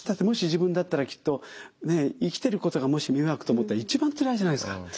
もし自分だったらきっと生きてることがもし迷惑と思ったら一番つらいじゃないですか。